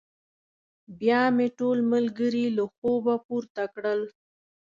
بيا مې ټول ملګري له خوبه پورته کړل.